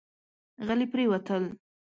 غلي پرېوتل.